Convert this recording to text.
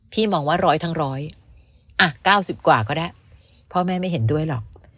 พี่มองว่าร้อยทั้งร้อยอ่ะ๙๐กว่าก็ได้พ่อแม่ไม่เห็นด้วยหรอก